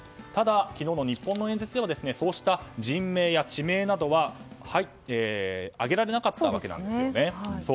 ただ、昨日の演説ではそうした人名や地名などは挙げられなかったわけです。